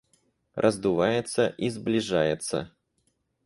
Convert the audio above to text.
Раздувается и сближается.